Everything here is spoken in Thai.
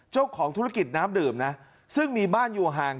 เจ้าของธุรกิจน้ำดื่มนะซึ่งมีบ้านอยู่ห่าง